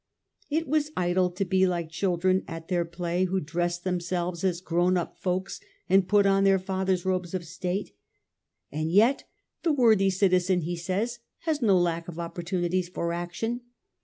It was idle to be like the children at their play, who dress themselves as grown up folks, and put on their fathers^ robes of state. And yet the worthy citizen, he says, has no lack of opportunities for action.